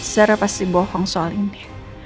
sarah pasti bohong soal ini